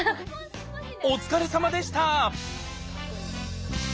お疲れさまでした！